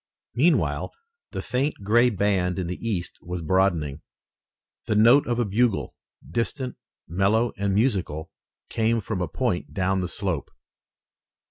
Meanwhile, the faint gray band in the east was broadening. The note of a bugle, distant, mellow, and musical, came from a point down the slope.